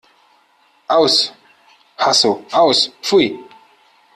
Aus! Hasso Aus! Pfui!